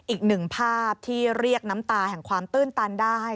อีกหนึ่งภาพที่เรียกน้ำตาแห่งความตื้นตันได้